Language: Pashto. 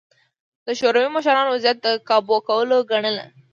د شوروي مشرانو وضعیت د کابو کولو ګڼله